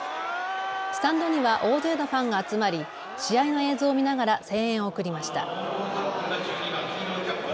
スタンドには大勢のファンが集まり、試合の映像を見ながら声援を送りました。